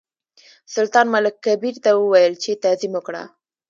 سلطان ملک کبیر ته وویل چې تعظیم وکړه.